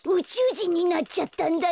じんになっちゃったんだよ。